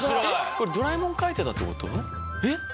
これドラえもん描いてたって事？